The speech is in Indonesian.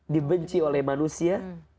dibenci oleh manusia